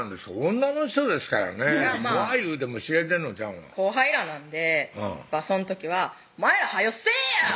女の人ですからね怖いいうても知れてんのちゃうの後輩らなんでその時は「お前ら早よせぇや！